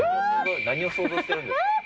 何を想像してるんですか。